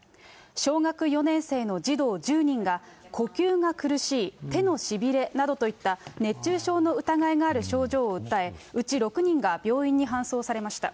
小学４年生の児童１０人が、呼吸が苦しい、手のしびれなどといった、熱中症の疑いがある症状を訴え、うち６人が病院に搬送されました。